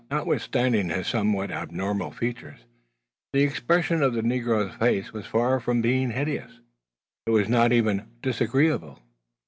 Notwithstanding his somewhat abnormal features, the expression of the negro's face was far from being hideous. It was not even disagreeable.